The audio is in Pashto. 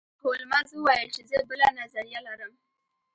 هولمز وویل چې زه بله نظریه لرم.